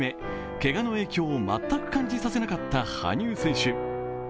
けがの影響を全く感じさせなかった羽生選手。